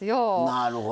なるほどね。